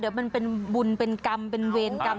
เดี๋ยวเป็นบุญเป็นเวรกรรม